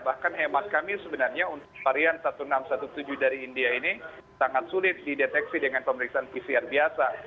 bahkan hemat kami sebenarnya untuk varian seribu enam ratus tujuh belas dari india ini sangat sulit dideteksi dengan pemeriksaan pcr biasa